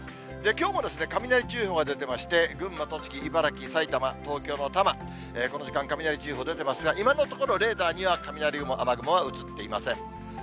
きょうも雷注意報が出てまして、群馬、栃木、茨城、埼玉、東京の多摩、この時間、雷注意報出てますが、今のところ、レーダーには雷雲、雨雲は映っていません。